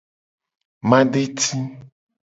Madeti.